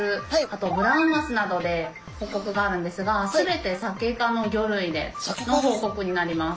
あとブラウンマスなどで報告があるんですが全てサケ科の魚類での報告になります。